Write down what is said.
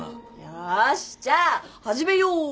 よーしじゃあ始めよう！